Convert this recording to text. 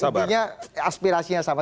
sebenarnya aspirasinya sama